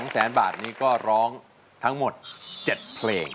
๒แสนบาทนี้ก็ร้องทั้งหมด๗เพลง